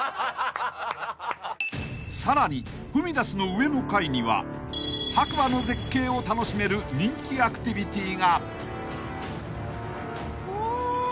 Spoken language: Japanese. ［さらにフミダスの上の階には白馬の絶景を楽しめる人気アクティビティが］うわ！